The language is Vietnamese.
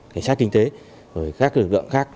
cảnh sát kinh tế các lực lượng khác